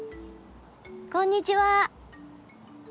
こんにちは。